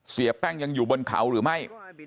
เสียแป้งยังอยู่บนเขาหรือไม่